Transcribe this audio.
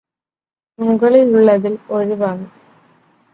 മുകളിലുള്ളതിൽ ഒഴിവാണ്